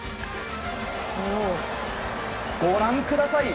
ご覧ください。